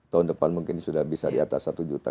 tahun depan mungkin sudah bisa di atas satu juta